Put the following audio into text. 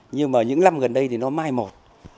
nhưng mà những năm gần đây thì nó mai một